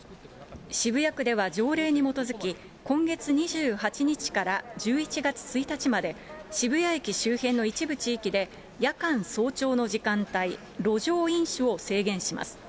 渋谷区では条例に基づき、今月２８日から１１月１日まで渋谷駅周辺の一部地域で、夜間早朝の時間帯、路上飲酒を制限します。